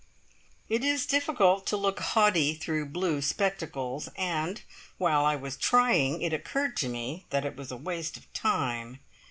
It is difficult to look haughty through blue spectacles, and while I was trying, it occurred to me that it was a waste of time.